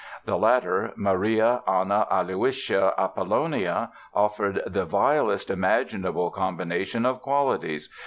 The latter, Maria Anna Aloysia Apollonia, offered the vilest imaginable combination of qualities.